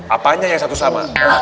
apanya yang satu sama